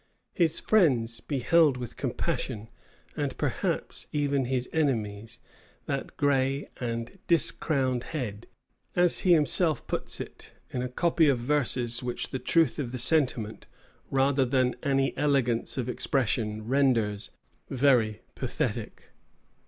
His friends beheld with compassion, and perhaps even his enemies, "that gray and discrowned head," as he himself terms it, in a copy of verses, which the truth of the sentiment, rather than any elegance of expression, renders very pathetic.